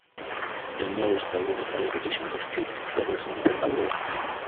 The North Aurora Fire Protection District covers North Aurora.